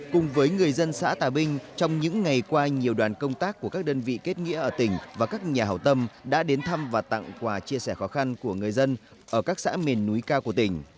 cùng với người dân xã tà vinh trong những ngày qua nhiều đoàn công tác của các đơn vị kết nghĩa ở tỉnh và các nhà hảo tâm đã đến thăm và tặng quà chia sẻ khó khăn của người dân ở các xã miền núi cao của tỉnh